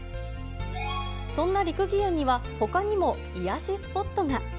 そんな六義園には、ほかにも癒やしスポットが。